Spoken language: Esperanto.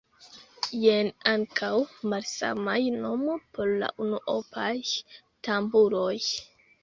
Jen ankaŭ malsamaj nomo por la unuopaj tamburoj.